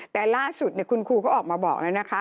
แต่ล่าสุดคุณครูเขาออกมาบอกแล้วนะคะ